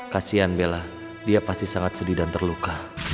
kasian bella dia pasti sangat sedih dan terluka